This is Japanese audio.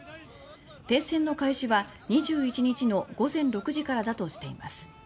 停戦の開始は２１日の午前６時からだとしています。